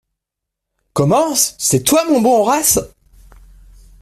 Comment ! c’est toi, mon bon Horace ?…